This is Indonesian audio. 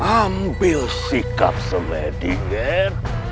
ambil sikap semedi ger